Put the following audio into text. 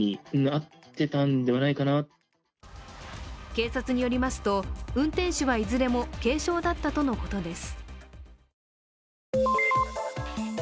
警察によりますと、運転手はいずれも軽傷だったとのことです。